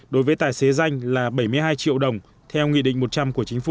đối với tài xế danh là bảy mươi hai triệu đồng theo nghị định một trăm linh của chính phủ